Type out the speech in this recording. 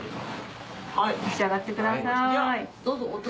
召し上がってください。